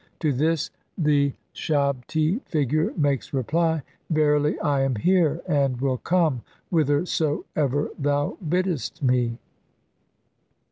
To this the shabti figure makes reply, "Verily I am here, "[and will come] whithersoever thou biddest me."